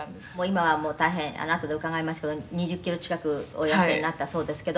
「今はもう大変あとで伺いますけど２０キロ近くお痩せになったそうですけど」